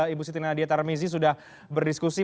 ibu siti nadia tarmizi sudah berdiskusi